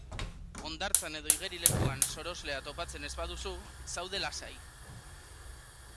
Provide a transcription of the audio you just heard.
Hondartzan edo igerilekuan soroslea topatzen ez baduzu, zaude lasai!